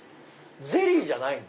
ゼリーじゃないの？